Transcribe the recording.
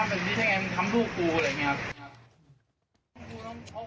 มันเป็นพี่ใช่ไงมันคำลูกกูอะไรอย่างนี้ครับ